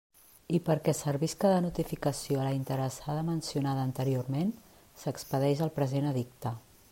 I perquè servisca de notificació a la interessada mencionada anteriorment, s'expedeix el present edicte.